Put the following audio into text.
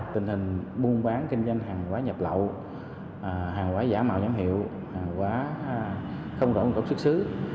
tình hình buôn bán kinh doanh hàng quái nhập lậu hàng quái giả màu nhóm hiệu hàng quái không rõ nguồn gốc xuất xứ